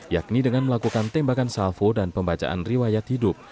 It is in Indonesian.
yakni dengan melakukan tembakan salvo dan pembacaan riwayat hidup